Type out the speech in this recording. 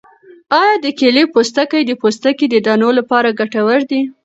آیا د کیلې پوستکی د پوستکي د دانو لپاره ګټور دی؟